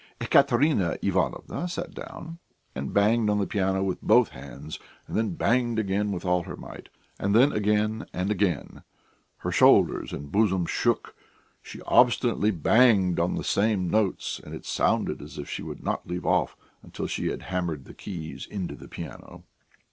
Ekaterina Ivanovna sat down and banged on the piano with both hands, and then banged again with all her might, and then again and again; her shoulders and bosom shook. She obstinately banged on the same notes, and it sounded as if she would not leave off until she had hammered the keys into the piano.